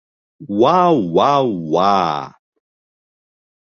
Уа-уа-уа!